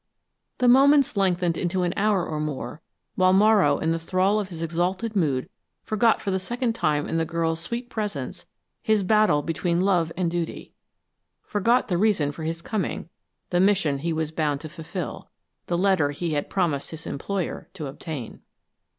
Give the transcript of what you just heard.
The minutes lengthened into an hour or more while Morrow in the thrall of his exalted mood forgot for the second time in the girl's sweet presence his battle between love and duty: forgot the reason for his coming, the mission he was bound to fulfill the letter he had promised his employer to obtain.